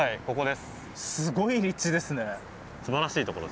すごい立地ですね。